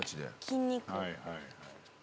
筋肉。